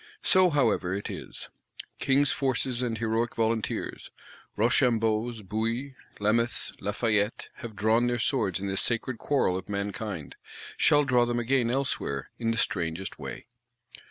So, however, it is. King's forces and heroic volunteers; Rochambeaus, Bouillés, Lameths, Lafayettes, have drawn their swords in this sacred quarrel of mankind;—shall draw them again elsewhere, in the strangest way.